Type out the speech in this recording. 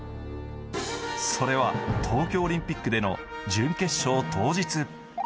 それは、東京オリンピックでの準決勝当日。